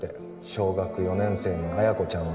小学４年生の彩子ちゃんは